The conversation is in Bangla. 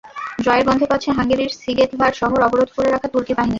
জয়ের গন্ধ পাচ্ছে হাঙ্গেরির সিগেতভার শহর অবরোধ করে রাখা তুর্কি বাহিনী।